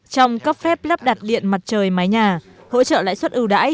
trong cấp phép lắp đặt điện mặt trời mái nhà hỗ trợ lãi suất ưu đãi